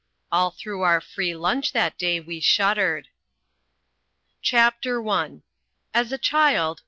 All through our (free) lunch that day we shuddered. CHAPTER I As a child.